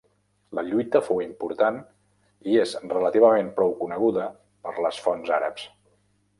La lluita fou important i és relativament prou coneguda per les fonts àrabs.